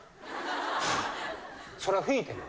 それは吹いてるの。